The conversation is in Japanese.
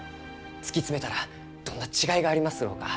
突き詰めたらどんな違いがありますろうか？